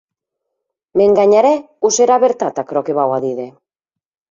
M’enganharè o serà vertat aquerò que vau a díder?